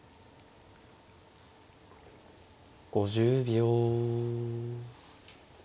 ５０秒。